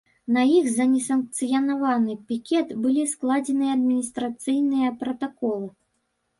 На іх за несанкцыянаваны пікет былі складзеныя адміністрацыйныя пратаколы.